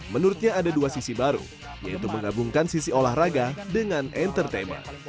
menurutnya ada dua sisi baru yaitu menggabungkan sisi olahraga dengan entertainment